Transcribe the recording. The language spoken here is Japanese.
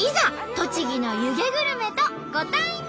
栃木の湯気グルメとご対面！